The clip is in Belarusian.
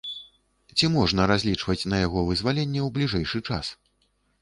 Ці можна разлічваць на яго вызваленне ў бліжэйшы час?